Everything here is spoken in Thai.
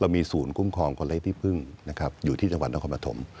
มีศูนย์คุ้มครองคนไร้ที่พึ่งนะครับอยู่ที่จังหวัดนครปฐม